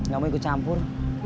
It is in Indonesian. gak mau ikut campur